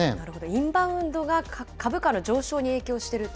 インバウンドが株価の上昇に影響していると。